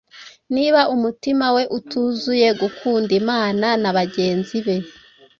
niba umutima we utuzuye gukunda imana na bagenzi be,